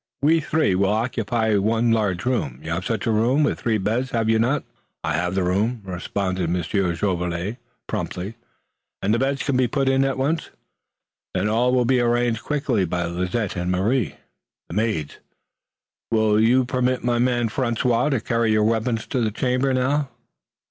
We three will occupy one large room. You have such a room with three beds, have you not?" "I have the room," responded Monsieur Jolivet promptly, "and the beds can be put in it at once. Then all will be arranged quickly by Lizette and Marie, the maids. Will you permit my man, François, to carry your weapons to the chamber now?"